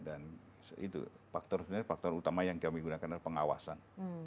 dan itu faktor sebenarnya faktor utama yang kami gunakan adalah pengawasan